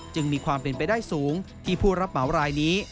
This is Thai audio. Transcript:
จึงมีความเป็นไปได้สูงที่ผู้รับเหมารายนี้